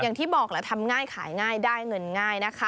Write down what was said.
อย่างที่บอกแหละทำง่ายขายง่ายได้เงินง่ายนะคะ